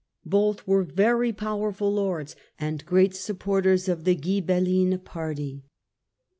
Both were very powerful lords and great supporters of the Ghibelline party.